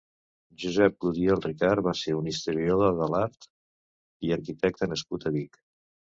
Josep Gudiol Ricart va ser un historiador de l'art i arquitecte nascut a Vic.